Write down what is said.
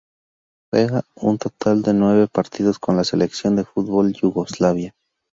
Jugó un total de nueve partidos con la selección de fútbol de Yugoslavia.